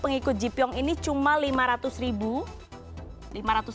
pengikut jipiong ini cuma lima ratus ribu